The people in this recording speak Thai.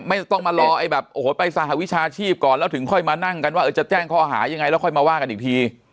ไม่ต้องมารอไอ้แบบโอ้โหไปสหวิชาชีพก่อนแล้วถึงค่อยมานั่งกันว่าจะแจ้งข้อหายังไงแล้วค่อยมาว่ากันอีกที